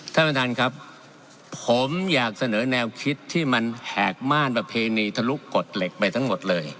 ท่านประธานครับผมอยากเสนอแนวคิดที่มันแหกม่านประเพณีทะลุกฎเหล็กไปทั้งหมดเลย